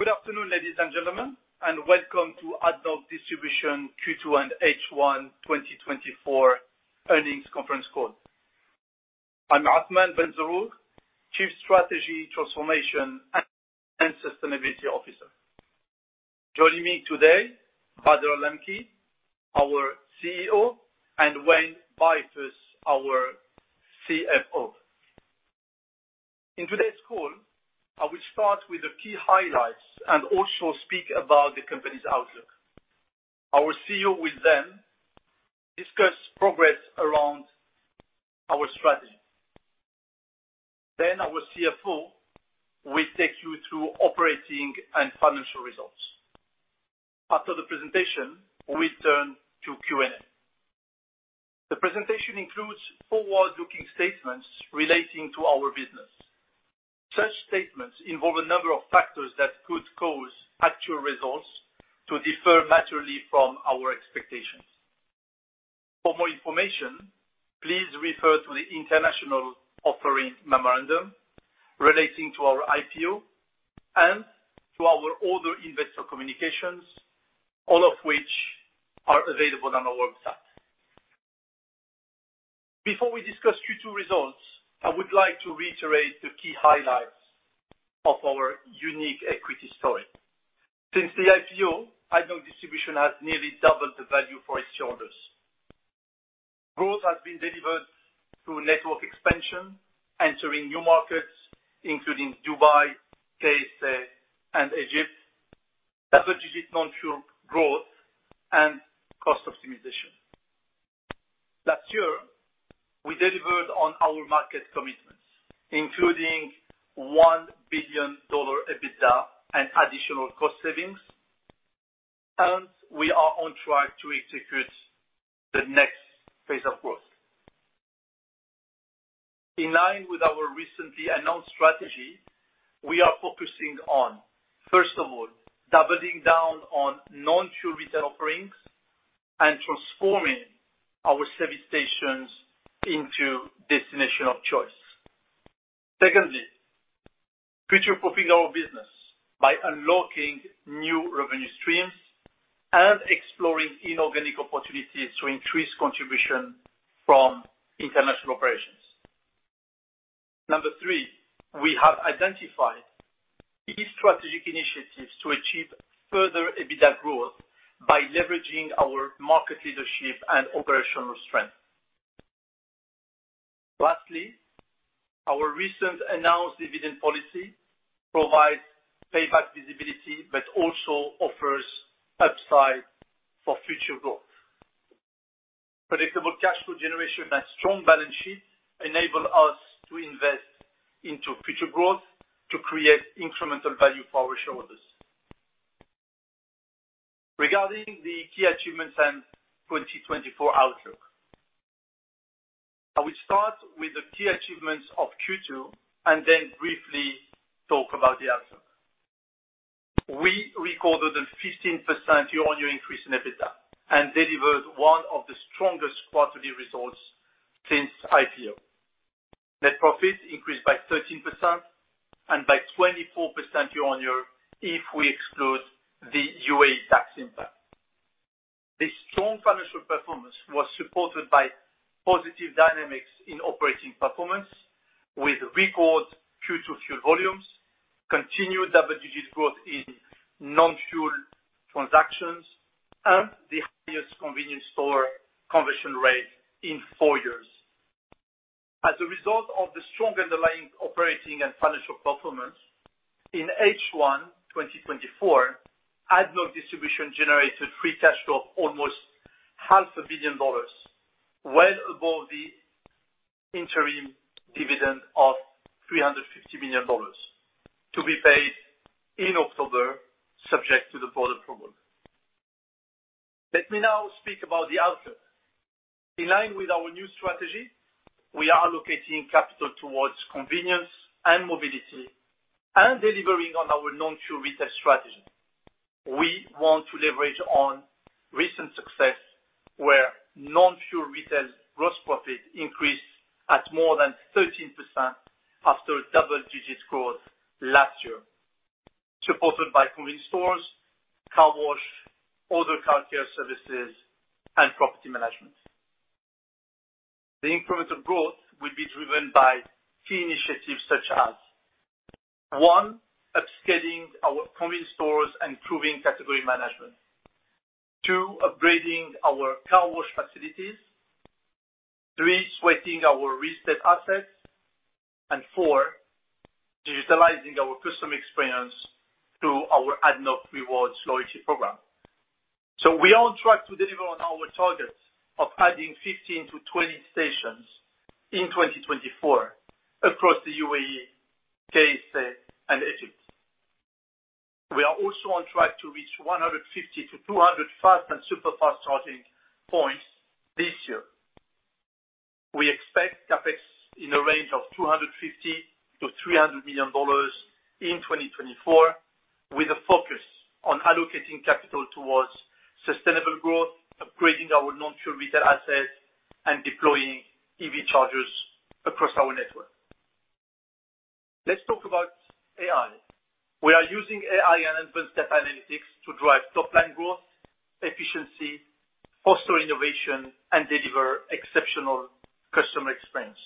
Good afternoon, ladies and gentlemen, and welcome to ADNOC Distribution Q2 and H1 2024 earnings conference call. I'm Athmane Benzerroug, Chief Strategy, Transformation, and Sustainability Officer. Joining me today, Bader Al Lamki, our CEO, and Wayne Beifus, our CFO. In today's call, I will start with the key highlights and also speak about the company's outlook. Our CEO will then discuss progress around our strategy. Then our CFO will take you through operating and financial results. After the presentation, we turn to Q&A. The presentation includes forward-looking statements relating to our business. Such statements involve a number of factors that could cause actual results to differ materially from our expectations. For more information, please refer to the international offering memorandum relating to our IPO and to our other investor communications, all of which are available on our website. Before we discuss Q2 results, I would like to reiterate the key highlights of our unique equity story. Since the IPO, ADNOC Distribution has nearly doubled the value for its shareholders. Growth has been delivered through network expansion, entering new markets, including Dubai, KSA, and Egypt, double-digit non-fuel growth, and cost optimization. Last year, we delivered on our market commitments, including $1 billion EBITDA and additional cost savings. Hence, we are on track to execute the next phase of growth. In line with our recently announced strategy, we are focusing on, first of all, doubling down on non-fuel retail offerings and transforming our service stations into destination of choice. Secondly, future-proofing our business by unlocking new revenue streams and exploring inorganic opportunities to increase contribution from international operations. Number three, we have identified key strategic initiatives to achieve further EBITDA growth by leveraging our market leadership and operational strength. Lastly, our recent announced dividend policy provides payback visibility, but also offers upside for future growth. Predictable cash flow generation and strong balance sheet enable us to invest into future growth to create incremental value for our shareholders. Regarding the key achievements and 2024 outlook, I will start with the key achievements of Q2 and then briefly talk about the outlook. We recorded a 15% year-on-year increase in EBITDA, and delivered one of the strongest quarterly results since IPO. Net profits increased by 13% and by 24% year-on-year if we exclude the UAE tax impact. This strong financial performance was supported by positive dynamics in operating performance, with record Q2 fuel volumes, continued double-digit growth in non-fuel transactions, and the highest convenience store conversion rate in four years. As a result of the strong underlying operating and financial performance, in H1 2024, ADNOC Distribution generated free cash flow almost $500 million, well above the interim dividend of $350 million, to be paid in October, subject to the board approval. Let me now speak about the outlook. In line with our new strategy, we are allocating capital towards convenience and mobility and delivering on our non-fuel retail strategy. We want to leverage on recent success, where non-fuel retail gross profit increased at more than 13% after double-digit growth last year, supported by convenience stores, car wash, other car care services, and property management. The incremental growth will be driven by key initiatives such as, one, upscaling our convenience stores and improving category management. Two, upgrading our car wash facilities. Three, sweating our real estate assets. And four, digitizing our customer experience through our ADNOC Rewards loyalty program. So we are on track to deliver on our targets of adding 15-20 stations in 2024 across the UAE, KSA, and Egypt. We are also on track to reach 150-200 fast and super fast charging points this year. We expect CapEx in the range of $250 million-$300 million in 2024, with a focus on allocating capital towards sustainable growth, upgrading our non-fuel retail assets, and deploying EV chargers... across our network. Let's talk about AI. We are using AI and advanced data analytics to drive top-line growth, efficiency, foster innovation, and deliver exceptional customer experience.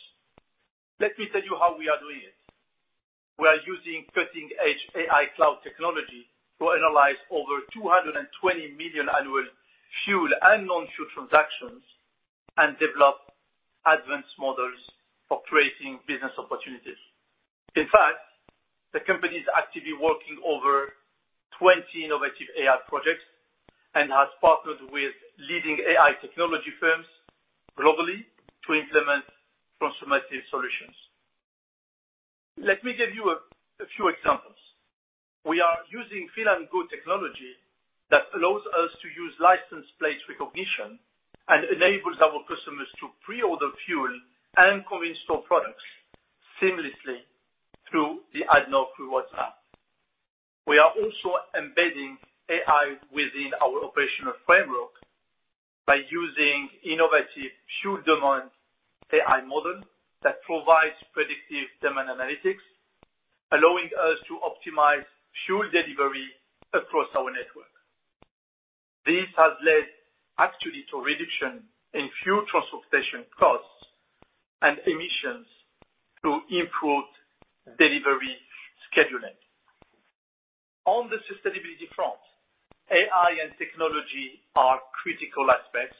Let me tell you how we are doing it. We are using cutting-edge AI cloud technology to analyze over 220 million annual fuel and non-fuel transactions, and develop advanced models for creating business opportunities. In fact, the company is actively working over 20 innovative AI projects and has partnered with leading AI technology firms globally to implement transformative solutions. Let me give you a few examples. We are using Fill & Go technology that allows us to use license plate recognition and enables our customers to pre-order fuel and convenience store products seamlessly through the ADNOC Rewards app. We are also embedding AI within our operational framework by using innovative fuel demand AI model that provides predictive demand analytics, allowing us to optimize fuel delivery across our network. This has led actually to a reduction in fuel transportation costs and emissions to improve delivery scheduling. On the sustainability front, AI and technology are critical aspects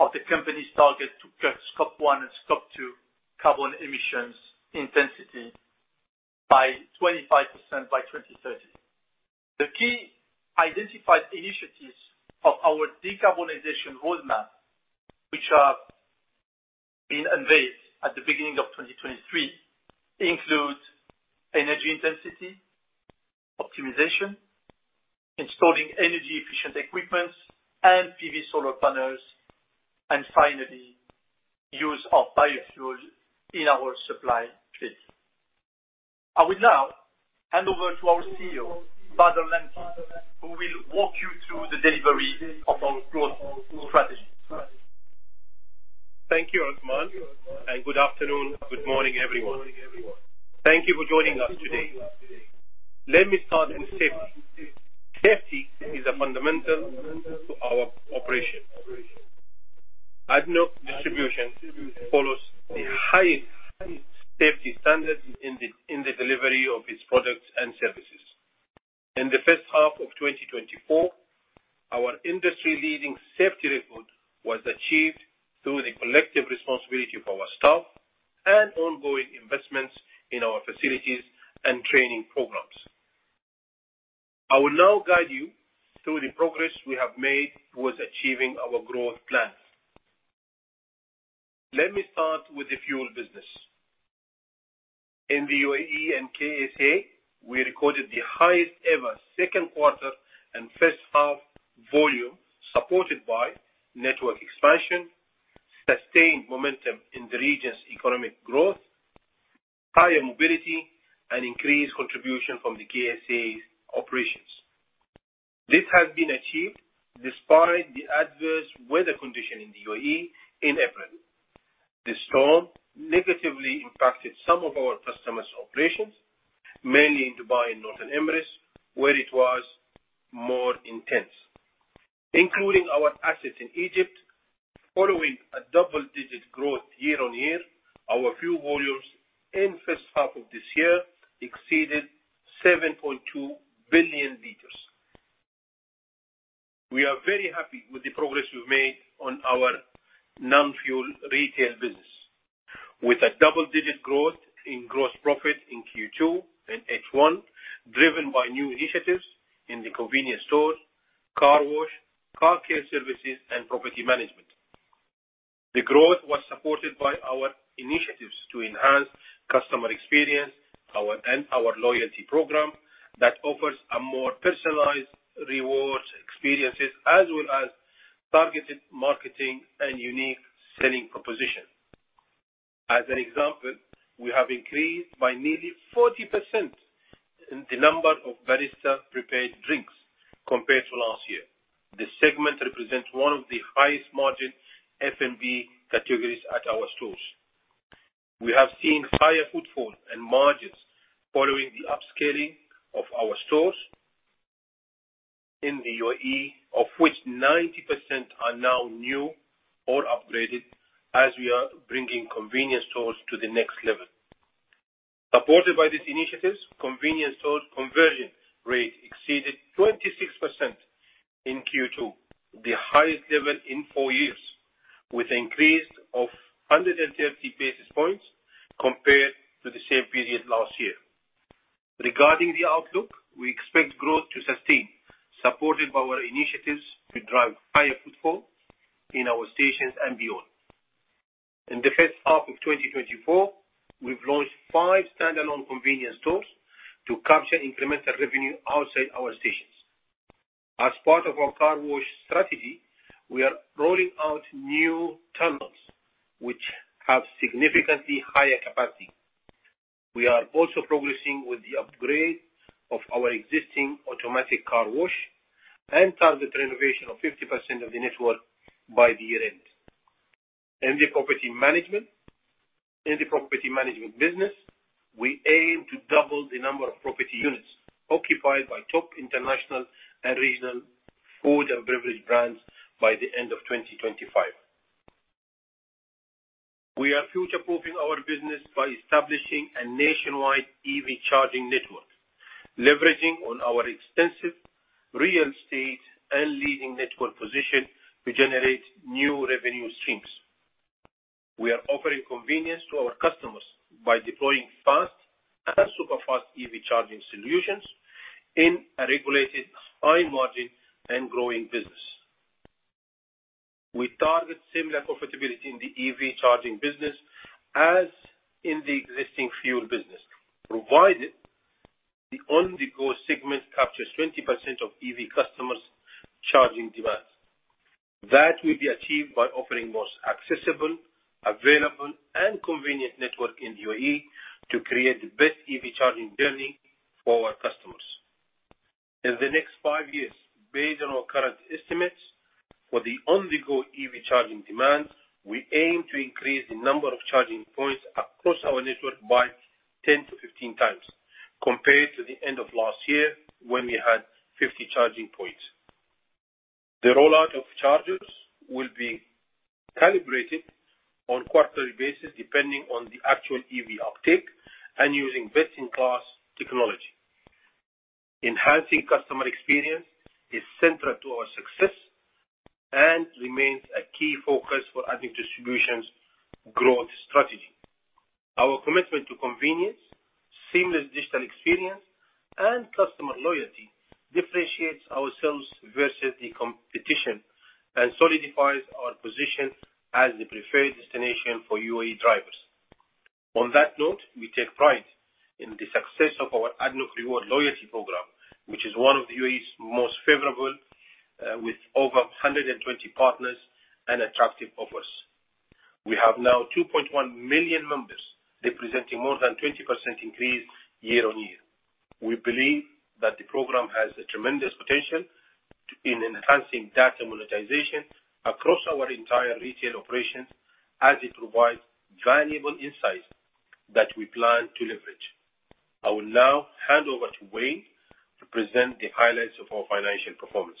of the company's target to cut Scope 1 and Scope 2 carbon emissions intensity by 25% by 2030. The key identified initiatives of our decarbonization roadmap, which are being unveiled at the beginning of 2023, include energy intensity optimization, installing energy-efficient equipment and PV solar panels, and finally, use of biofuel in our supply fleet. I will now hand over to our CEO, Bader Al Lamki, who will walk you through the delivery of our growth strategy. Thank you, Athmane, and good afternoon. Good morning, everyone. Thank you for joining us today. Let me start on safety. Safety is a fundamental to our operation. ADNOC Distribution follows the highest safety standards in the delivery of its products and services. In the H1 of 2024, our industry-leading safety record was achieved through the collective responsibility of our staff and ongoing investments in our facilities and training programs. I will now guide you through the progress we have made towards achieving our growth plans. Let me start with the fuel business. In the UAE and KSA, we recorded the highest ever Q2 and H1 volume, supported by network expansion, sustained momentum in the region's economic growth, higher mobility, and increased contribution from the KSA's operations. This has been achieved despite the adverse weather condition in the UAE in April. The storm negatively impacted some of our customers' operations, mainly in Dubai and Northern Emirates, where it was more intense. Including our assets in Egypt, following a double-digit growth year on year, our fuel volumes in H1 of this year exceeded 7.2 billion liters. We are very happy with the progress we've made on our non-fuel retail business, with a double-digit growth in gross profit in Q2 and H1, driven by new initiatives in the convenience stores, car wash, car care services, and property management. The growth was supported by our initiatives to enhance customer experience, our, and our loyalty program that offers a more personalized rewards, experiences, as well as targeted marketing and unique selling proposition. As an example, we have increased by nearly 40% the number of barista-prepared drinks compared to last year. This segment represents one of the highest margin F&B categories at our stores. We have seen higher footfall and margins following the upscaling of our stores in the UAE, of which 90% are now new or upgraded, as we are bringing convenience stores to the next level. Supported by these initiatives, convenience store conversion rate exceeded 26% in Q2, the highest level in four years, with an increase of 130 basis points compared to the same period last year. Regarding the outlook, we expect growth to sustain, supported by our initiatives to drive higher footfall in our stations and beyond. In the H1 of 2024, we've launched 5 standalone convenience stores to capture incremental revenue outside our stations. As part of our car wash strategy, we are rolling out new tunnels, which have significantly higher capacity.... We are also progressing with the upgrade of our existing automatic car wash and target renovation of 50% of the network by the year-end. In the property management, in the property management business, we aim to double the number of property units occupied by top international and regional food and beverage brands by the end of 2025. We are future-proofing our business by establishing a nationwide EV charging network, leveraging on our extensive real estate and leading network position to generate new revenue streams. We are offering convenience to our customers by deploying fast and super-fast EV charging solutions in a regulated, high-margin, and growing business. We target similar profitability in the EV charging business as in the existing fuel business, provided the On-the-Go segment captures 20% of EV customers' charging demands. That will be achieved by offering most accessible, available, and convenient network in UAE to create the best EV charging journey for our customers. In the next five years, based on our current estimates for the On-the-Go EV charging demand, we aim to increase the number of charging points across our network by 10-15 times compared to the end of last year, when we had 50 charging points. The rollout of chargers will be calibrated on a quarterly basis, depending on the actual EV uptake and using best-in-class technology. Enhancing customer experience is central to our success and remains a key focus for ADNOC Distribution's growth strategy. Our commitment to convenience, seamless digital experience, and customer loyalty differentiates ourselves versus the competition and solidifies our position as the preferred destination for UAE drivers. On that note, we take pride in the success of our ADNOC Rewards loyalty program, which is one of the UAE's most favorable, with over 120 partners and attractive offers. We have now 2.1 million members, representing more than 20% increase year-on-year. We believe that the program has a tremendous potential in enhancing data monetization across our entire retail operations, as it provides valuable insights that we plan to leverage. I will now hand over to Wayne to present the highlights of our financial performance.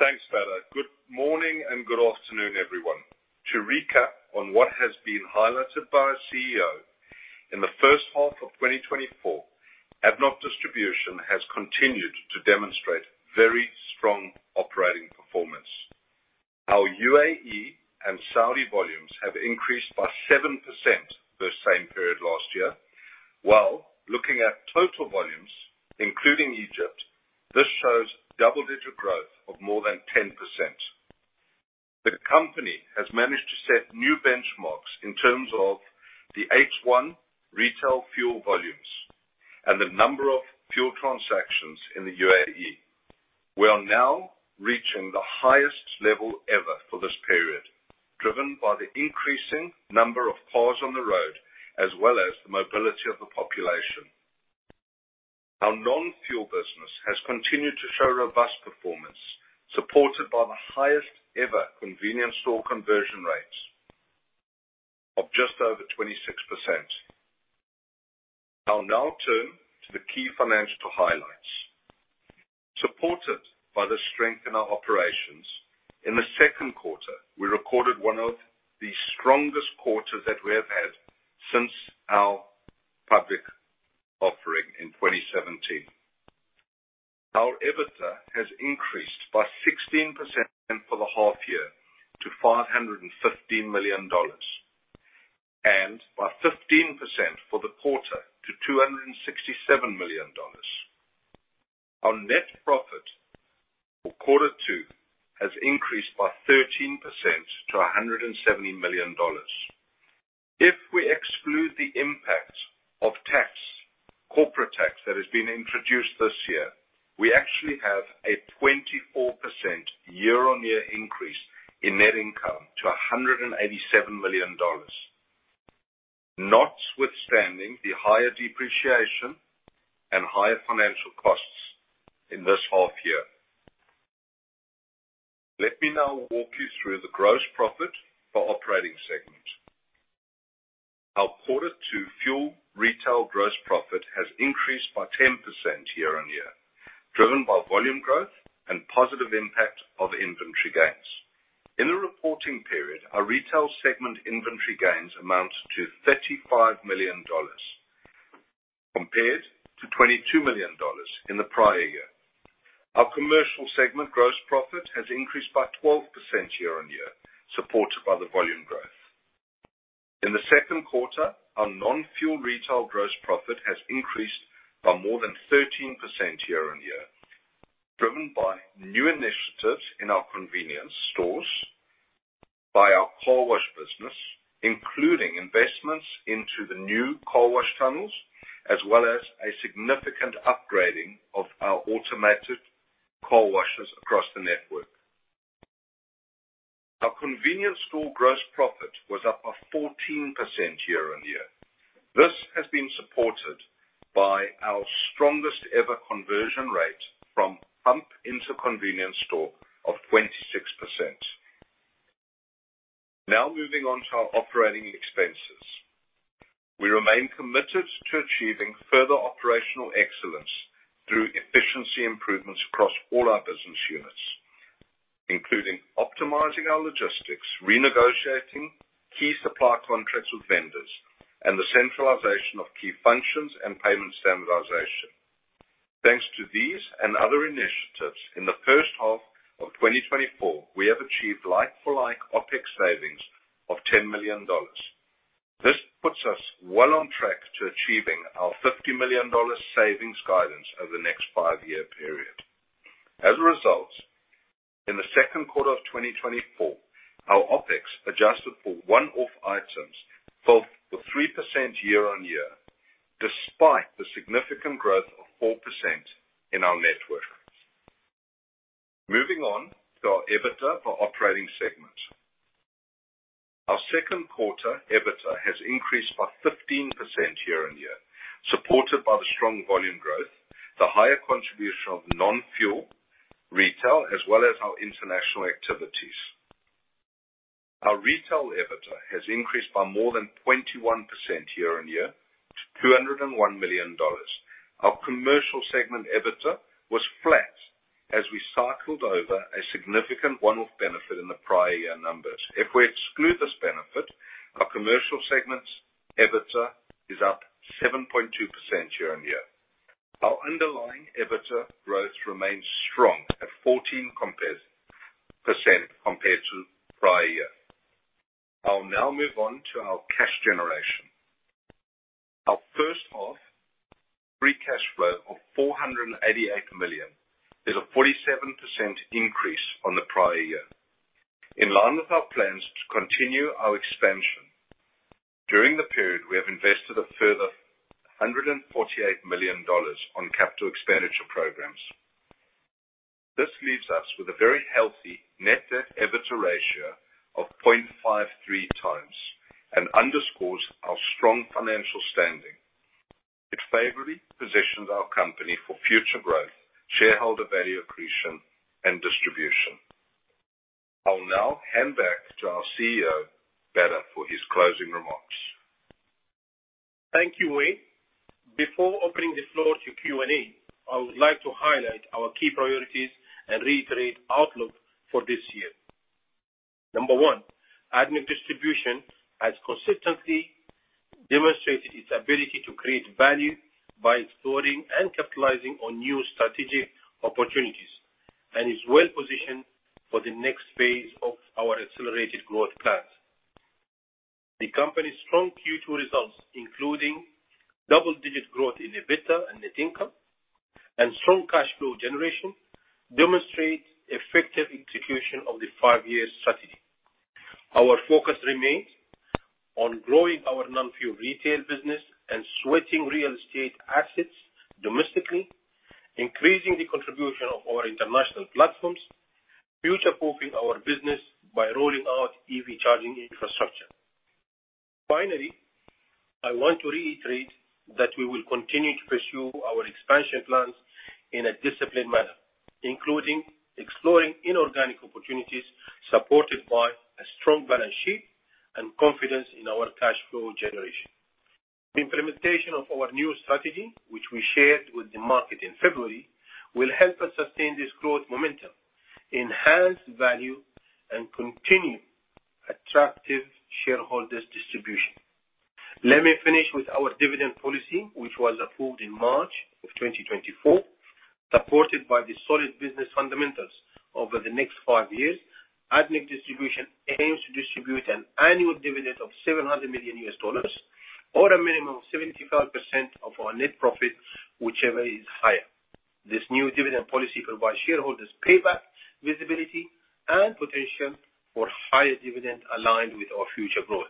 Thanks, Bader. Good morning, and good afternoon, everyone. To recap on what has been highlighted by our CEO, in the H1 of 2024, ADNOC Distribution has continued to demonstrate very strong operating performance. Our UAE and Saudi volumes have increased by 7% the same period last year, while looking at total volumes, including Egypt, this shows double-digit growth of more than 10%. The company has managed to set new benchmarks in terms of the H1 retail fuel volumes and the number of fuel transactions in the UAE. We are now reaching the highest level ever for this period, driven by the increasing number of cars on the road, as well as the mobility of the population. Our non-fuel business has continued to show robust performance, supported by the highest ever convenience store conversion rates of just over 26%. I'll now turn to the key financial highlights. Supported by the strength in our operations, in the Q2, we recorded one of the strongest quarters that we have had since our public offering in 2017. Our EBITDA has increased by 16% for the half year to $515 million, and by 15% for the quarter to $267 million. Our net profit for quarter two has increased by 13% to $170 million. If we exclude the impact of tax, corporate tax, that has been introduced this year, we actually have a 24% year-on-year increase in net income to $187 million, notwithstanding the higher depreciation and higher financial costs in this half year. Let me now walk you through the gross profit by operating segment. Our quarter two fuel retail gross profit has increased by 10% year-on-year, driven by volume growth and positive impact of inventory gains. In the reporting period, our retail segment inventory gains amounts to $35 million, compared to $22 million in the prior year. Our commercial segment gross profit has increased by 12% year-on-year, supported by the volume growth. In the Q2, our non-fuel retail gross profit has increased by more than 13% year-on-year, driven by new initiatives in our convenience stores, by our car wash business, including investments into the new car wash tunnels, as well as a significant upgrading of our automated car washes across the network. Our convenience store gross profit was up by 14% year-on-year. This has been supported by our strongest ever conversion rate from pump into convenience store of 26%. Now moving on to our operating expenses. We remain committed to achieving further operational excellence through efficiency improvements across all our business units, including optimizing our logistics, renegotiating key supply contracts with vendors, and the centralization of key functions and payment standardization. Thanks to these and other initiatives, in the H1 of 2024, we have achieved like-for-like OpEx savings of $10 million. This puts us well on track to achieving our $50 million savings guidance over the next 5-year period. As a result, in the Q2 of 2024, our OpEx, adjusted for one-off items, fell 3% year-on-year, despite the significant growth of 4% in our network. Moving on to our EBITDA for operating segments. Our Q2 EBITDA has increased by 15% year-on-year, supported by the strong volume growth, the higher contribution of non-fuel retail, as well as our international activities. Our retail EBITDA has increased by more than 21% year-on-year, $201 million. Our commercial segment EBITDA was flat as we cycled over a significant one-off benefit in the prior year numbers. If we exclude this benefit, our commercial segment's EBITDA is up 7.2% year-on-year. Our underlying EBITDA growth remains strong at 14% compared to prior year. I'll now move on to our cash generation. Our H1 free cash flow of $488 million is a 47% increase on the prior year. In line with our plans to continue our expansion, during the period, we have invested a further $148 million on CapEx programs. This leaves us with a very healthy net debt EBITDA ratio of 0.53 times and underscores our strong financial standing. It favorably positions our company for future growth, shareholder value accretion, and distribution. I'll now hand back to our CEO, Bader, for his closing remarks. Thank you, Wayne. Before opening the floor to Q&A, I would like to highlight our key priorities and reiterate outlook for this year. Number one, ADNOC Distribution has consistently demonstrated its ability to create value by exploring and capitalizing on new strategic opportunities, and is well positioned for the next phase of our accelerated growth plans. The company's strong Q2 results, including double-digit growth in EBITDA and net income and strong cash flow generation, demonstrates effective execution of the five-year strategy. Our focus remains on growing our non-fuel retail business and sweating real estate assets domestically, increasing the contribution of our international platforms, future-proofing our business by rolling out EV charging infrastructure. Finally, I want to reiterate that we will continue to pursue our expansion plans in a disciplined manner, including exploring inorganic opportunities, supported by a strong balance sheet and confidence in our cash flow generation. The implementation of our new strategy, which we shared with the market in February, will help us sustain this growth momentum, enhance value, and continue attractive shareholders distribution. Let me finish with our dividend policy, which was approved in March 2024. Supported by the solid business fundamentals over the next 5 years, ADNOC Distribution aims to distribute an annual dividend of $700 million or a minimum of 75% of our net profit, whichever is higher. This new dividend policy provides shareholders payback, visibility, and potential for higher dividend aligned with our future growth.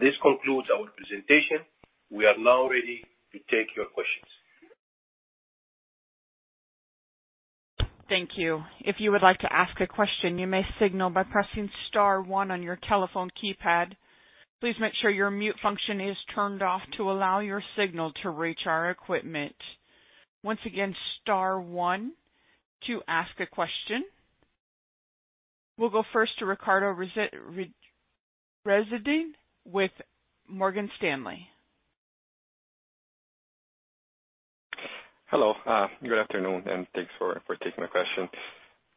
This concludes our presentation. We are now ready to take your questions. Thank you. If you would like to ask a question, you may signal by pressing star one on your telephone keypad. Please make sure your mute function is turned off to allow your signal to reach our equipment. Once again, star one to ask a question. We'll go first to Ricardo Rezende with Morgan Stanley. Hello, good afternoon, and thanks for taking my question.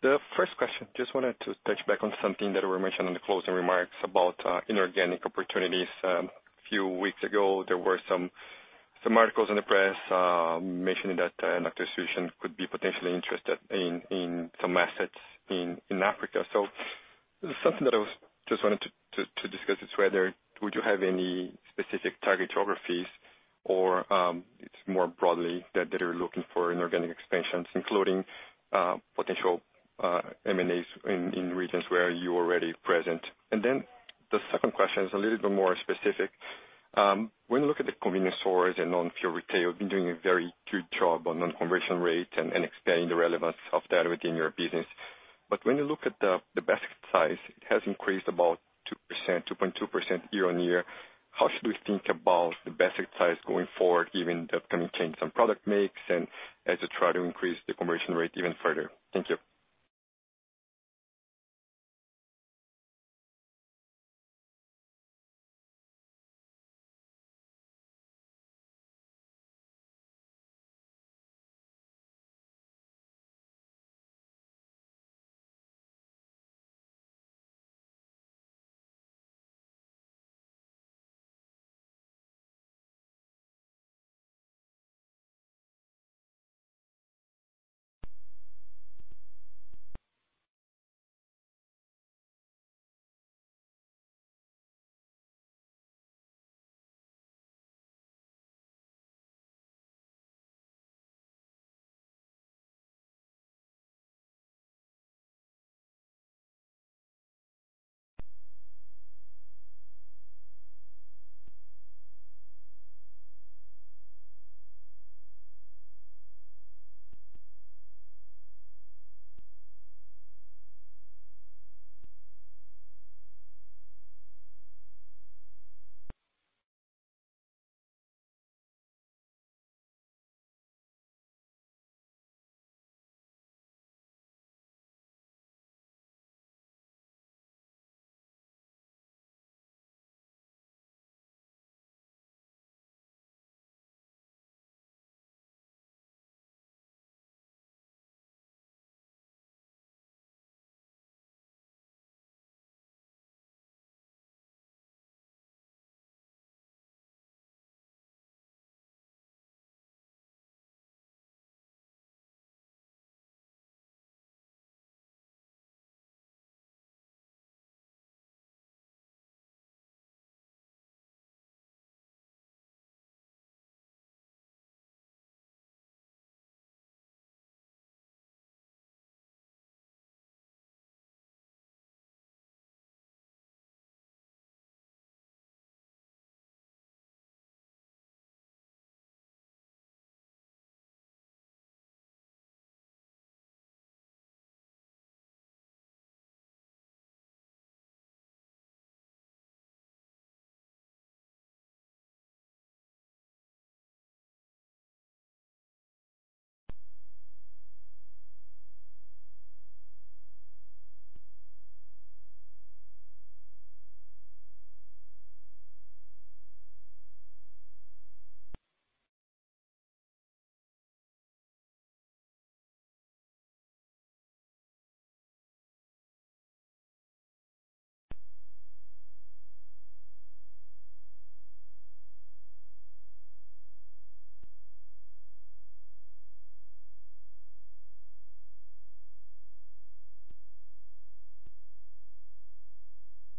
The first question, just wanted to touch back on something that were mentioned in the closing remarks about inorganic opportunities. A few weeks ago, there were some articles in the press mentioning that ADNOC Distribution could be potentially interested in some assets in Africa. So something that I was just wanted to discuss is whether would you have any specific target geographies, or it's more broadly that you're looking for inorganic expansions, including potential M&As in regions where you're already present? And then the second question is a little bit more specific. When you look at the convenience stores and non-fuel retail, you've been doing a very good job on conversion rate and expanding the relevance of that within your business. But when you look at the basket size, it has increased about 2%, 2.2% year-on-year. How should we think about the basket size going forward, given the upcoming changes on product mix and as you try to increase the conversion rate even further?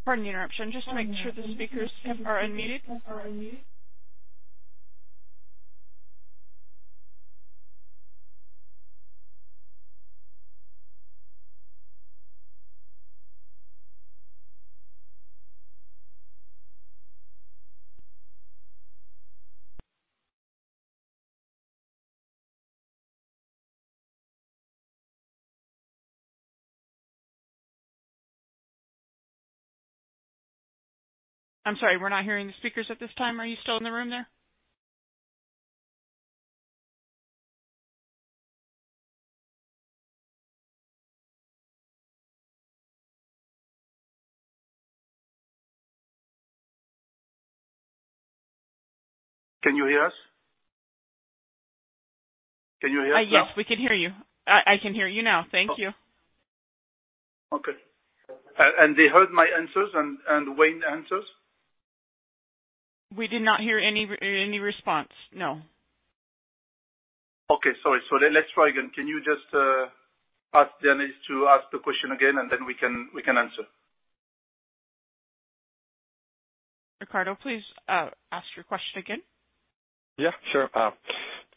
Thank you. Pardon the interruption. Just to make sure the speakers are unmuted. I'm sorry, we're not hearing the speakers at this time. Are you still in the room there? Can you hear us? Can you hear us now? Yes, we can hear you. I can hear you now. Thank you. Okay. And they heard my answers and, and Wayne's answers? We did not hear any response, no. Okay, sorry. So then let's try again. Can you just ask Janice to ask the question again, and then we can, we can answer? Ricardo, please, ask your question again. Yeah, sure.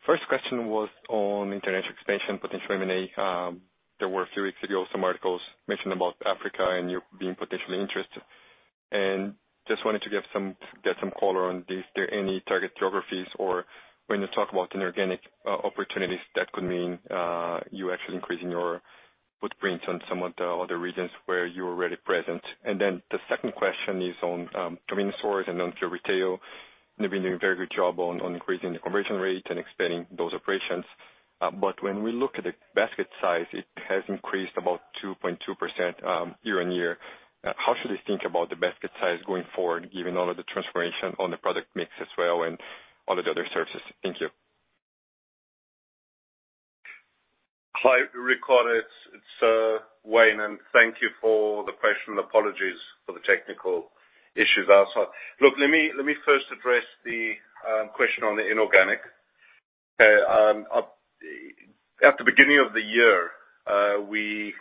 First question was on international expansion, potential M&A. There were a few weeks ago, some articles mentioning about Africa and you being potentially interested. And just wanted to get some, get some color on, is there any target geographies, or when you talk about inorganic, opportunities, that could mean, you actually increasing your footprint on some of the other regions where you're already present? And then the second question is on, convenience stores and non-fuel retail. You've been doing a very good job on, on increasing the conversion rate and expanding those operations. But when we look at the basket size, it has increased about 2.2%, year-on-year. How should we think about the basket size going forward, given all of the transformation on the product mix as well and all of the other services? Thank you. Hi, Ricardo, it's Wayne, and thank you for the question, and apologies for the technical issues our side. Look, let me first address the question on the inorganic. At the beginning of the year, we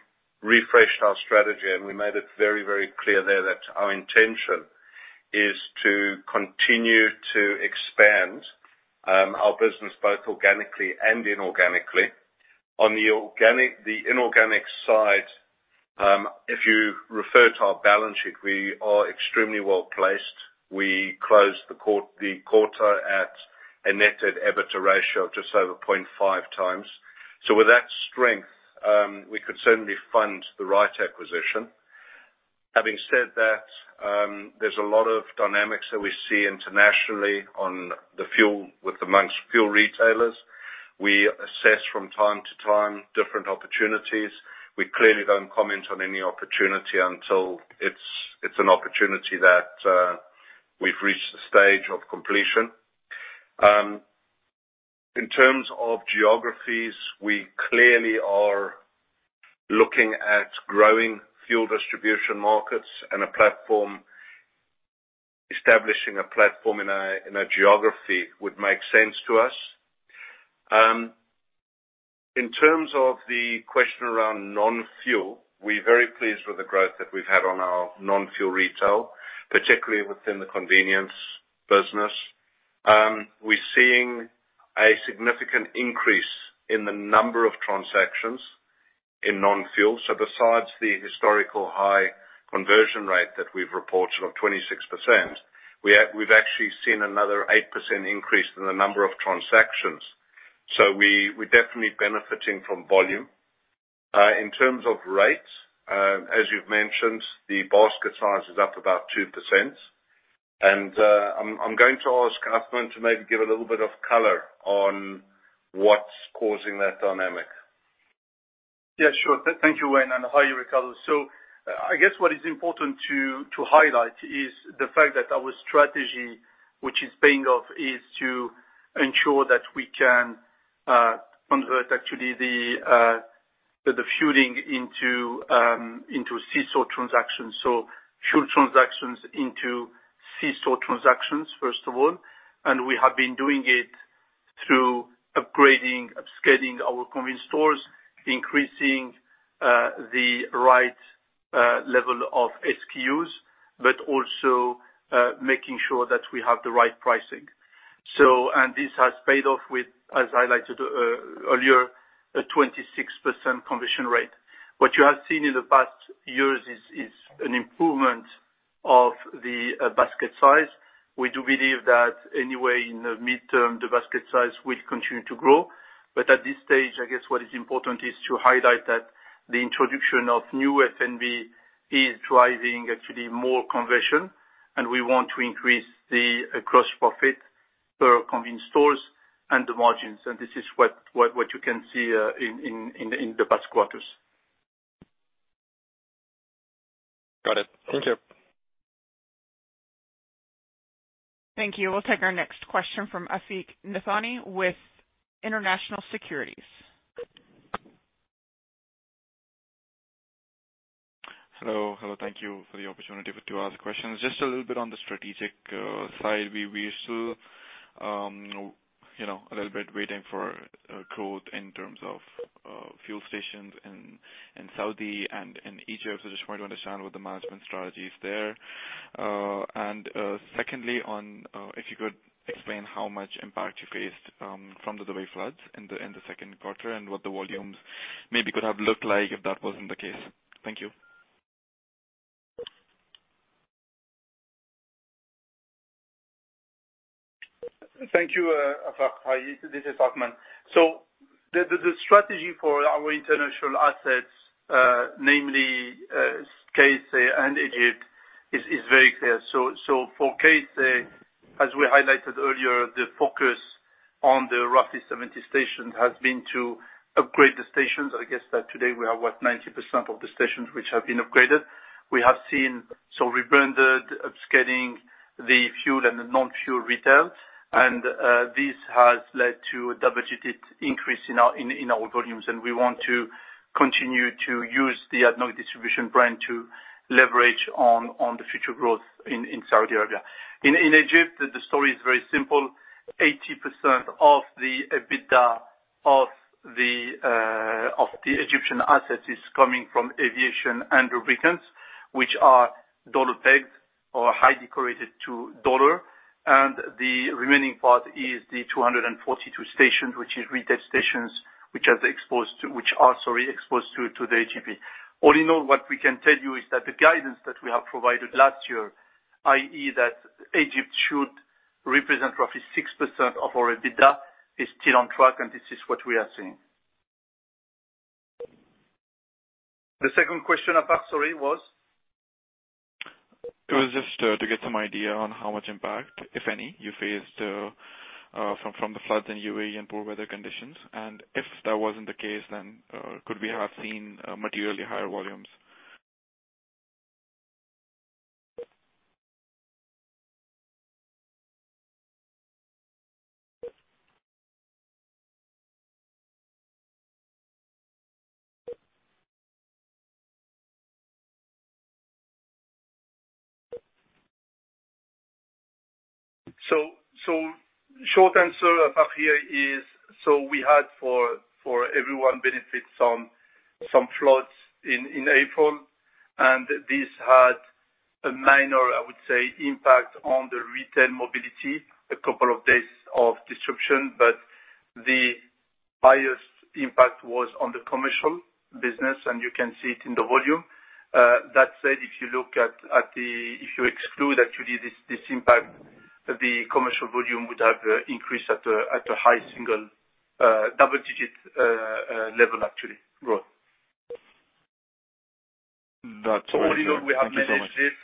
refreshed our strategy, and we made it very, very clear there that our intention is to continue to expand our business, both organically and inorganically. The inorganic side. If you refer to our balance sheet, we are extremely well-placed. We closed the quarter at a net debt EBITDA ratio of just over 0.5x. So with that strength, we could certainly fund the right acquisition. Having said that, there's a lot of dynamics that we see internationally on the fuel, with amongst fuel retailers. We assess from time to time different opportunities. We clearly don't comment on any opportunity until it's an opportunity that we've reached the stage of completion. In terms of geographies, we clearly are looking at growing fuel distribution markets and a platform, establishing a platform in a geography would make sense to us. In terms of the question around non-fuel, we're very pleased with the growth that we've had on our non-fuel retail, particularly within the convenience business. We're seeing a significant increase in the number of transactions in non-fuel. So besides the historical high conversion rate that we've reported of 26%, we've actually seen another 8% increase in the number of transactions. So we're definitely benefiting from volume. In terms of rates, as you've mentioned, the basket size is up about 2%. And, I'm going to ask Athmane to maybe give a little bit of color on what's causing that dynamic. Yeah, sure. Thank you, Wayne, and hi, Ricardo. So I guess what is important to highlight is the fact that our strategy, which is paying off, is to ensure that we can convert actually the fueling into C-store transactions. So fuel transactions into C-store transactions, first of all, and we have been doing it through upgrading, upscaling our convenience stores, increasing the right level of SKUs, but also making sure that we have the right pricing. So... And this has paid off with, as highlighted, earlier, a 26% conversion rate. What you have seen in the past years is an improvement of the basket size. We do believe that anyway, in the midterm, the basket size will continue to grow. But at this stage, I guess what is important is to highlight that the introduction of new F&B is driving actually more conversion, and we want to increase the gross profit per convenience stores and the margins, and this is what you can see in the past quarters. Got it. Thank you. Thank you. We'll take our next question from Afaq Nathani with International Securities. Hello, hello, thank you for the opportunity to ask questions. Just a little bit on the strategic side, we still you know a little bit waiting for growth in terms of fuel stations in Saudi and in Egypt. I just want to understand what the management strategy is there. And secondly, on if you could explain how much impact you faced from the Dubai floods in the Q2, and what the volumes maybe could have looked like if that wasn't the case. Thank you. Thank you, Afaq. Hi, this is Ahmed. So the strategy for our international assets, namely, KSA and Egypt, is very clear. So for KSA, as we highlighted earlier, the focus on the roughly 70 stations has been to upgrade the stations. I guess that today we are, what, 90% of the stations which have been upgraded. We have seen, so rebranded, upscaling the fuel and the non-fuel retail, and this has led to a double-digit increase in our volumes. And we want to continue to use the ADNOC Distribution brand to leverage on the future growth in Saudi Arabia. In Egypt, the story is very simple. 80% of the EBITDA of the Egyptian assets is coming from aviation and lubricants, which are US dollar-pegged or highly correlated to the US dollar, and the remaining part is the 242 stations, which is retail stations, which are, sorry, exposed to the EGP. All in all, what we can tell you is that the guidance that we have provided last year, i.e., that Egypt should represent roughly 6% of our EBITDA, is still on track, and this is what we are seeing. The second question, Afaq, sorry, was? It was just to get some idea on how much impact, if any, you faced from the floods in UAE and poor weather conditions. If that wasn't the case, then could we have seen materially higher volumes? So, short answer, Afaq. For everyone's benefit, we had some floods in April. This had a minor, I would say, impact on the retail mobility, a couple of days of disruption, but the highest impact was on the commercial business, and you can see it in the volume. That said, if you exclude actually this impact, the commercial volume would have increased at a high single double digit level actually growth. That's- We have managed this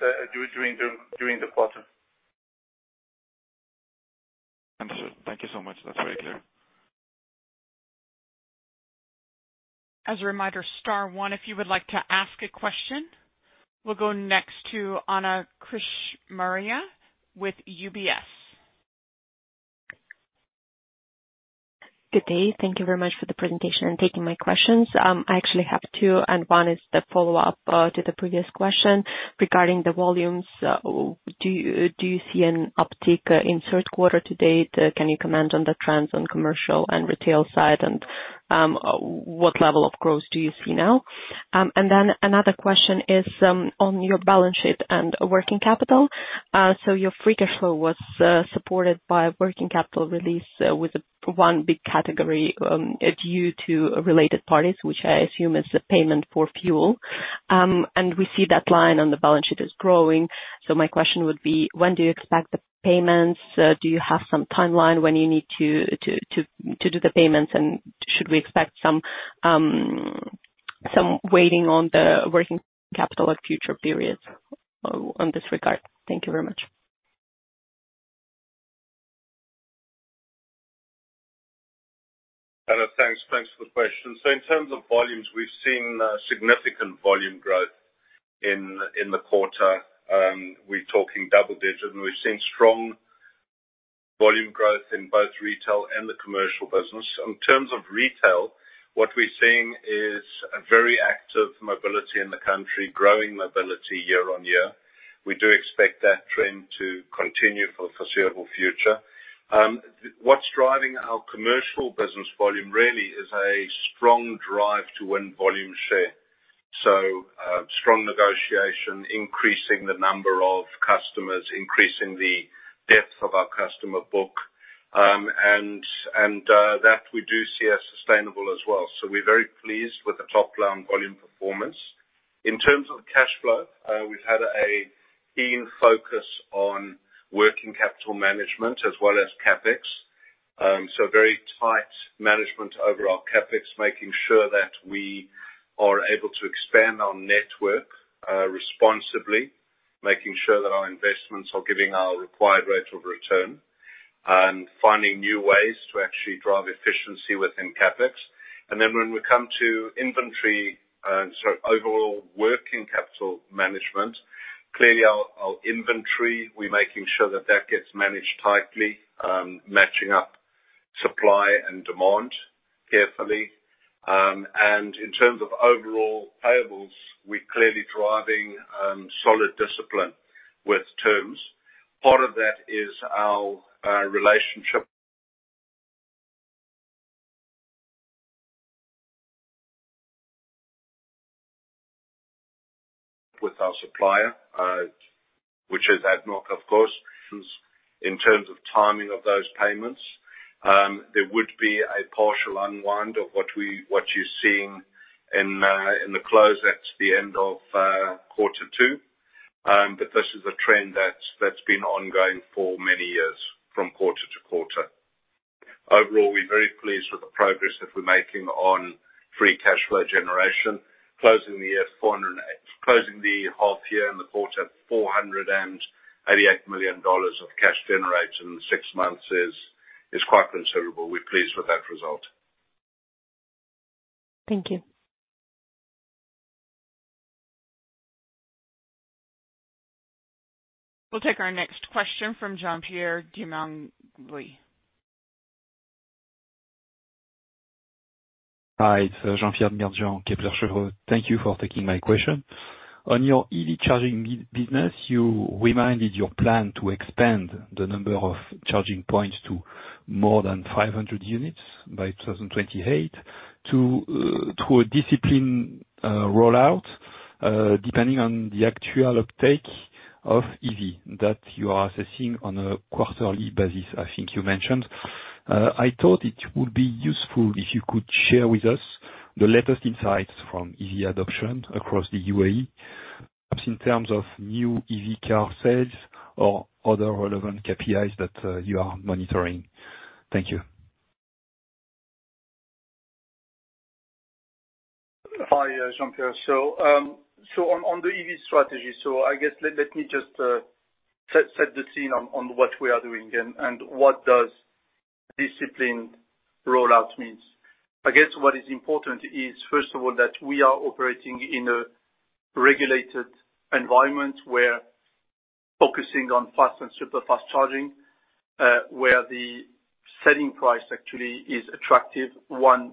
during the quarter. Understood. Thank you so much. That's very clear. As a reminder, star one, if you would like to ask a question. We'll go next to Anna Kishmariya with UBS. Good day. Thank you very much for the presentation and taking my questions. I actually have two, and one is the follow-up to the previous question regarding the volumes. Do you see an uptick in Q3 to date? Can you comment on the trends on commercial and retail side? And what level of growth do you see now? And then another question is on your balance sheet and working capital. So your free cash flow was supported by working capital release with one big category due to related parties, which I assume is the payment for fuel. And we see that line on the balance sheet is growing. So my question would be: When do you expect the payments? Do you have some timeline when you need to do the payments? And should we expect some waiting on the working capital at future periods, on this regard? Thank you very much. Anna, thanks. Thanks for the question. So in terms of volumes, we've seen significant volume growth in the quarter. We're talking double digit, and we've seen strong volume growth in both retail and the commercial business. In terms of retail, what we're seeing is a very active mobility in the country, growing mobility year-on-year. We do expect that trend to continue for the foreseeable future. What's driving our commercial business volume really is a strong drive to win volume share. So strong negotiation, increasing the number of customers, increasing the depth of our customer book, and that we do see as sustainable as well. So we're very pleased with the top line volume performance. In terms of cash flow, we've had a keen focus on working capital management as well as CapEx. So very tight management over our CapEx, making sure that we are able to expand our network, responsibly, making sure that our investments are giving our required rate of return, and finding new ways to actually drive efficiency within CapEx. And then when we come to inventory, and so overall working capital management, clearly our, our inventory, we're making sure that that gets managed tightly, matching up supply and demand carefully. And in terms of overall payables, we're clearly driving, solid discipline with terms. Part of that is our, relationship with our supplier, which is ADNOC, of course, in terms of timing of those payments. There would be a partial unwind of what we, what you're seeing in, in the close at the end of, quarter two. But this is a trend that's, that's been ongoing for many years, from quarter to quarter. Overall, we're very pleased with the progress that we're making on free cash flow generation, closing the half year and the quarter at $488 million of cash generated in the six months is quite considerable. We're pleased with that result. Thank you. We'll take our next question from Jean-Pierre Djemidjian Hi, it's Jean-Pierre Djemidjian. Thank you for taking my question. On your EV charging business, you reminded your plan to expand the number of charging points to more than 500 units by 2028 to a disciplined rollout, depending on the actual uptake of EV that you are assessing on a quarterly basis, I think you mentioned. I thought it would be useful if you could share with us the latest insights from EV adoption across the UAE, perhaps in terms of new EV car sales or other relevant KPIs that you are monitoring. Thank you. Hi, Jean-Pierre. So on the EV strategy, so I guess let me just set the scene on what we are doing and what does disciplined rollout means. I guess what is important is, first of all, that we are operating in a regulated environment, we're focusing on fast and super fast charging, where the selling price actually is attractive, 1.2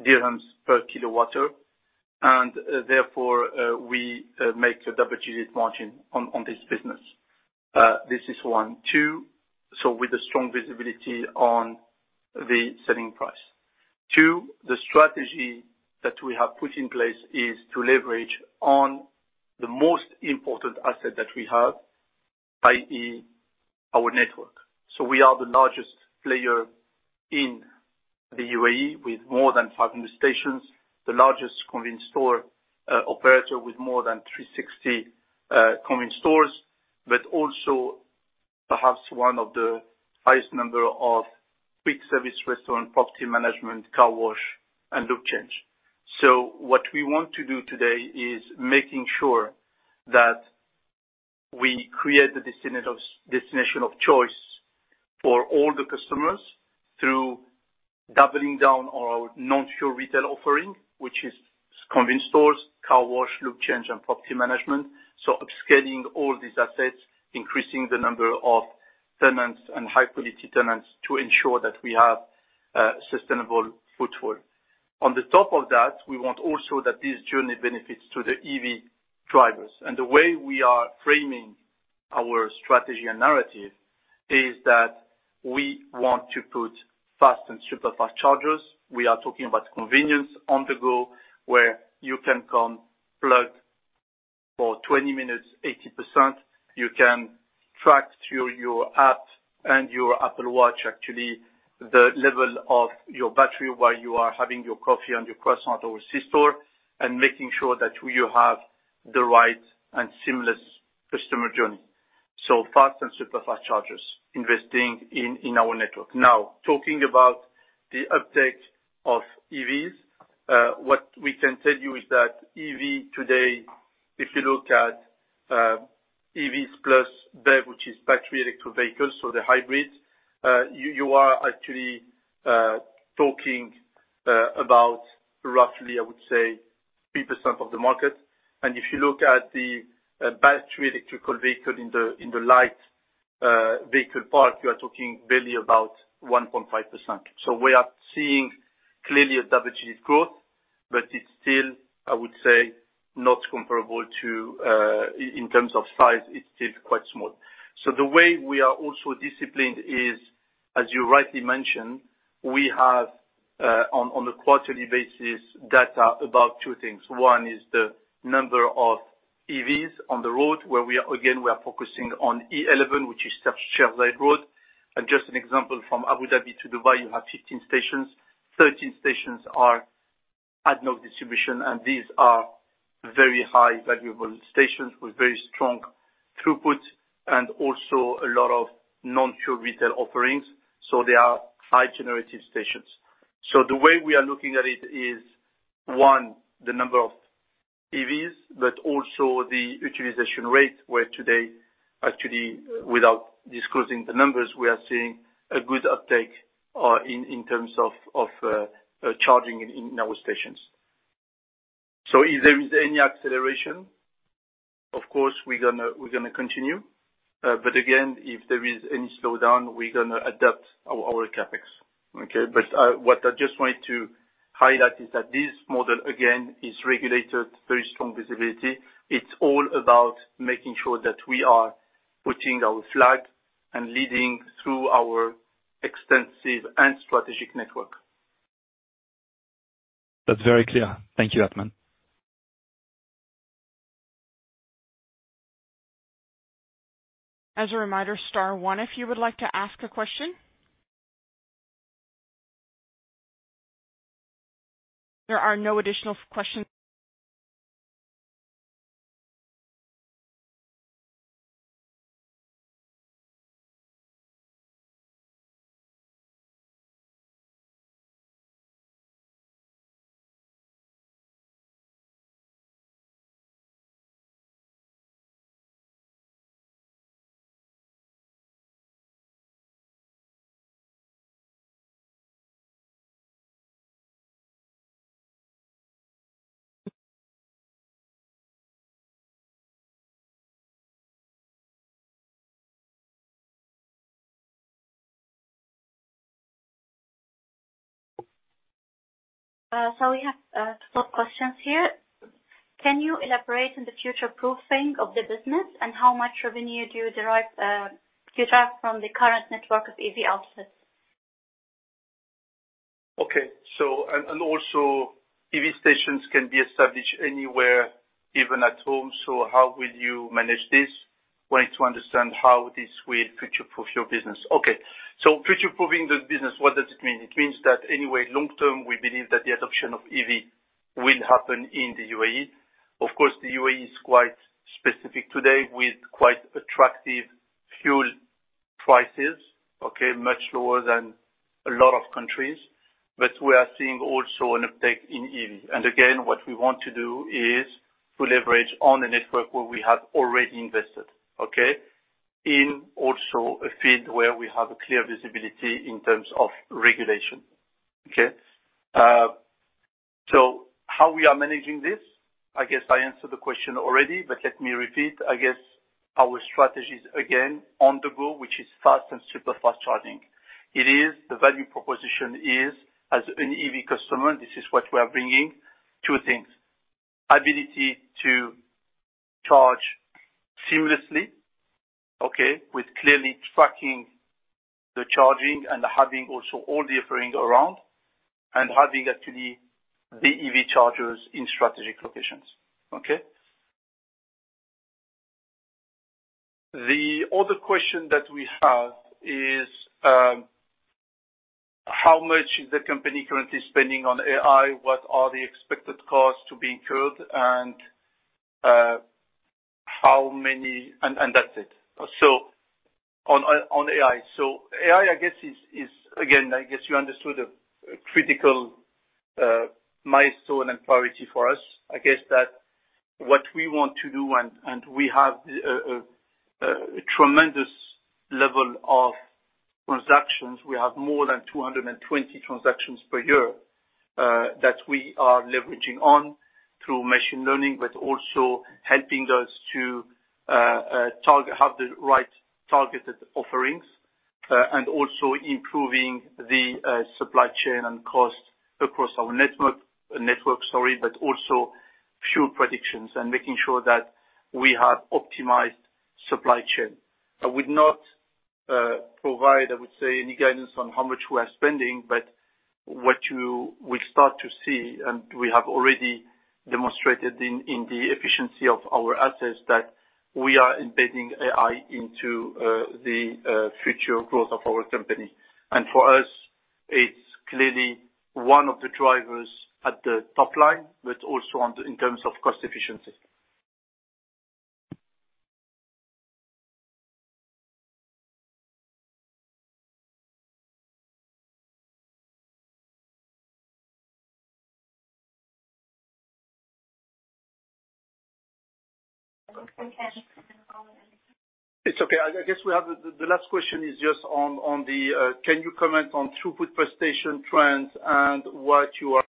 dirhams per kWh, and therefore we make a double-digit margin on this business. This is 1, 2, so with a strong visibility on the selling price. 2, the strategy that we have put in place is to leverage on the most important asset that we have, i.e., our network. So we are the largest player in the UAE, with more than 500 stations, the largest convenience store operator with more than 360 convenience stores, but also perhaps one of the highest number of quick service restaurant, property management, car wash, and lube change. So what we want to do today is making sure that we create the destination of choice for all the customers through doubling down on our non-fuel retail offering, which is convenience stores, car wash, lube change, and property management. So upscaling all these assets, increasing the number of tenants and high quality tenants to ensure that we have sustainable footfall. On the top of that, we want also that this journey benefits to the EV drivers. And the way we are framing our strategy and narrative is that we want to put fast and super fast chargers. We are talking about convenience on the go, where you can come plug for 20 minutes, 80%. You can track through your app and your Apple Watch, actually, the level of your battery while you are having your coffee and your croissant at our C-store, and making sure that you have the right and seamless customer journey. So fast and super fast chargers, investing in our network. Now, talking about the uptake of EVs, what we can tell you is that EV today, if you look at EVs plus BEV, which is battery electric vehicles, so the hybrids, you are actually talking about roughly, I would say, 3% of the market. And if you look at the battery electric vehicle in the light vehicle park, you are talking barely about 1.5%. So we are seeing clearly a double-digit growth, but it's still, I would say, not comparable to... In terms of size, it's still quite small. So the way we are also disciplined is, as you rightly mentioned, we have, on a quarterly basis, data about two things. One is the number of EVs on the road, where we are again focusing on E11, which is Sheikh Zayed Road. And just an example, from Abu Dhabi to Dubai, you have 15 stations. 13 stations are ADNOC Distribution, and these are very high valuable stations with very strong throughput, and also a lot of non-fuel retail offerings, so they are high generative stations. So the way we are looking at it is, one, the number of EVs, but also the utilization rate, where today, actually, without disclosing the numbers, we are seeing a good uptake in terms of charging in our stations. So if there is any acceleration, of course, we're gonna continue. But again, if there is any slowdown, we're gonna adapt our CapEx. Okay? But what I just wanted to highlight is that this model, again, is regulated, very strong visibility. It's all about making sure that we are putting our flag and leading through our extensive and strategic network. That's very clear. Thank you, Athmane. As a reminder, star one, if you would like to ask a question. There are no additional questions. We have two questions here. Can you elaborate on the future-proofing of the business, and how much revenue do you derive, you derive from the current network of EV outlets? Okay. And also, EV stations can be established anywhere, even at home, so how will you manage this? Wanting to understand how this will future-proof your business. Okay. So future-proofing the business, what does it mean? It means that anyway, long term, we believe that the adoption of EV will happen in the UAE. Of course, the UAE is quite specific today with quite attractive fuel prices, okay? Much lower than a lot of countries, but we are seeing also an uptake in EV. And again, what we want to do is to leverage on a network where we have already invested, okay? In also a field where we have a clear visibility in terms of regulation, okay? So how we are managing this, I guess I answered the question already, but let me repeat. I guess our strategy is, again, on the go, which is fast and super fast charging. It is, the value proposition is, as an EV customer, this is what we are bringing: two things.... ability to charge seamlessly, okay? With clearly tracking the charging and having also all the offering around, and having actually the EV chargers in strategic locations. Okay. The other question that we have is, how much is the company currently spending on AI? What are the expected costs to be incurred? And, and that's it. So on, on AI. So AI, I guess, is, is again, I guess you understood a, a critical, milestone and priority for us. I guess that what we want to do, and, and we have, a tremendous level of transactions. We have more than 220 transactions per year that we are leveraging on through machine learning, but also helping us to target have the right targeted offerings, and also improving the supply chain and cost across our network, but also fuel predictions and making sure that we have optimized supply chain. I would not provide, I would say, any guidance on how much we are spending, but what you will start to see, and we have already demonstrated in the efficiency of our assets, that we are embedding AI into the future growth of our company. And for us, it's clearly one of the drivers at the top line, but also on the in terms of cost efficiency. It's okay. I guess we have the last question is just on the can you comment on throughput per station trends and what you are...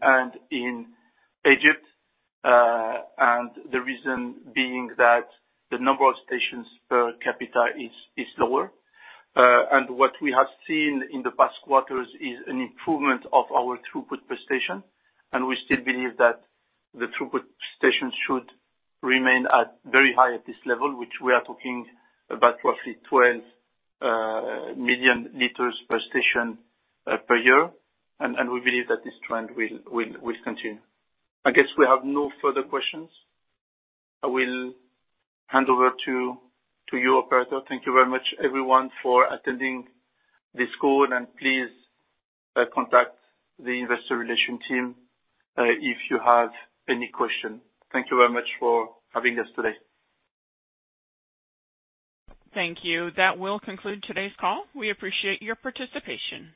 And in Egypt and the reason being that the number of stations per capita is lower. And what we have seen in the past quarters is an improvement of our throughput per station, and we still believe that the throughput station should remain at very high at this level, which we are talking about roughly 12 million liters per station per year, and we believe that this trend will continue. I guess we have no further questions. I will hand over to you, operator. Thank you very much, everyone, for attending this call, and please contact the investor relations team if you have any question. Thank you very much for having us today. Thank you. That will conclude today's call. We appreciate your participation.